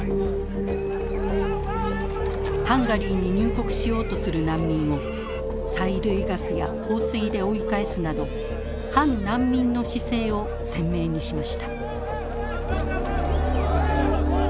ハンガリーに入国しようとする難民を催涙ガスや放水で追い返すなど「反難民」の姿勢を鮮明にしました。